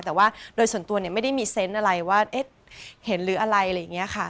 แต่ว่าโดยส่วนตัวเนี่ยไม่ได้มีเซนต์อะไรว่าเห็นหรืออะไรอะไรอย่างนี้ค่ะ